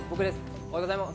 おはようございます。